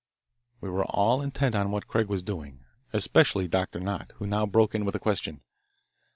We were all intent on what Craig was doing, especially Doctor Nott, who now broke in with a question.